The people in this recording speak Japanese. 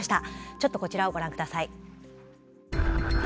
ちょっとこちらをご覧ください。